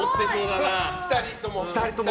２人とも。